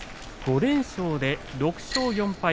５連勝で６勝４敗。